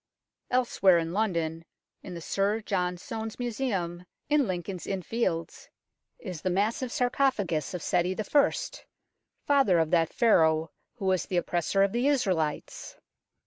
Elsewhere in London, in the Sir John Soane's Museum in Lincoln's Inn Fields, is the massive sarcophagus of Seti I., father of that Pharaoh who was the Oppressor of the Israelites.